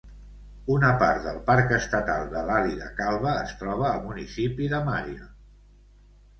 Una part del Parc Estatal de l'Àliga Calba es troba al municipi de Marion.